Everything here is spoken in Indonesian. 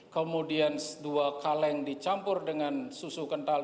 kemudian dua kaleng dicampur dengan susu kental